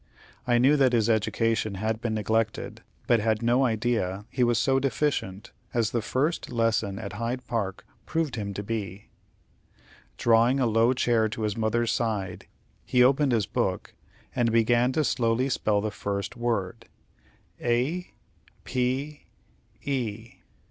I knew that his education had been neglected, but had no idea he was so deficient as the first lesson at Hyde Park proved him to be. Drawing a low chair to his mother's side, he opened his book, and began to slowly spell the first word, "A P E."